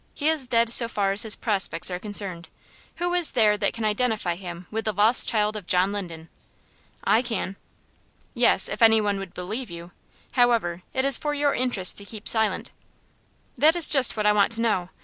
He is dead so far as his prospects are concerned. Who is there that can identify him with the lost child of John Linden?" "I can." "Yes; if any one would believe you. However, it is for your interest to keep silent." "That is just what I want to know.